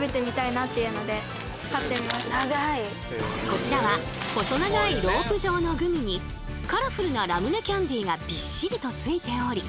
こちらは細長いロープ状のグミにカラフルなラムネキャンディーがびっしりとついており。